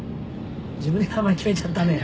自分で名前決めちゃったね